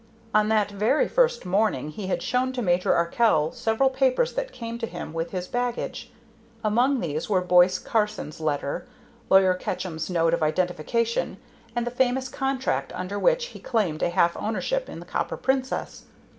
On that very first morning he had shown to Major Arkell several papers that came to him with his baggage. Among these were Boise Carson's letter, lawyer Ketchum's note of identification, and the famous contract under which he claimed a half ownership in the Copper Princess.